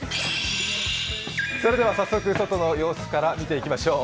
それでは早速、外の様子から見ていきましょう。